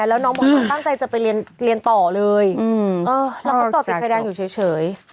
แล้วน้องบอกว่าตั้งใจจะไปเรียนต่อเลยแล้วก็จอดติดไฟแดงอยู่เฉย